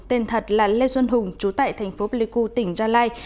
tên thật là lê xuân hùng chú tại thành phố pleiku tỉnh gia lai